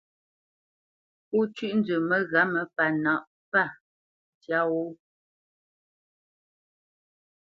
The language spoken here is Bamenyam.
Pó cʉ́ʼ nzə məghǎmə pánǎʼ pá tyâ wó.